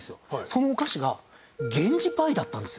そのお菓子が源氏パイだったんですよ。